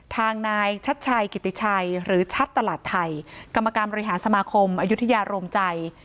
ทางนายชัดชัยกิติชัยหรือชัดตลาดไทยกรรมการบริหารสมาคมอายุทยาโรมใจ